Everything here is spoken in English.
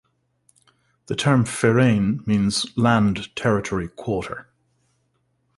The term "fearainn" means "land, territory, quarter".